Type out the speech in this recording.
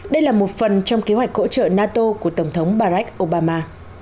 đây là một phần trong kế hoạch hỗ trợ nato của tổng thống barack obama